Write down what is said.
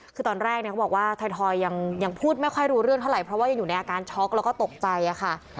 คือตอนแรกเนี่ยเขาบอกว่าถอยยังพูดไม่ค่อยรู้เรื่องเท่าไหร่เพราะว่ายังอยู่ในอาการช็อกแล้วก็ตกใจค่ะ